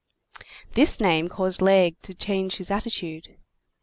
This name caused Laigle to change his attitude.